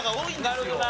なるほどな。